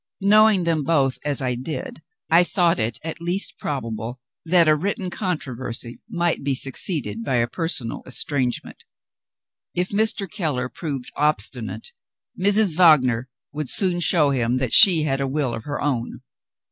Knowing them both as I did, I thought it at least probable that a written controversy might be succeeded by a personal estrangement. If Mr. Keller proved obstinate, Mrs. Wagner would soon show him that she had a will of her own.